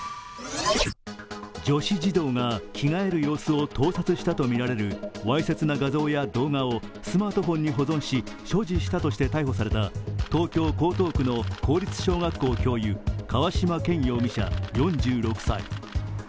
女子児童が着替える様子を盗撮したとみられるわいせつな画像や動画をスマートフォンに保存し所持したとして逮捕された東京・江東区の公立小学校教諭、河嶌健容疑者４６歳。